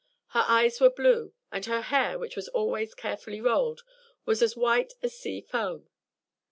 Her eyes were blue, and her hair, which was always carefully rolled, was as white as sea foam.